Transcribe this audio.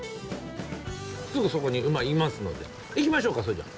すぐそこに馬いますので行きましょうかそれじゃあ。